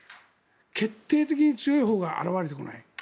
決定的に強いほうが現れてこない。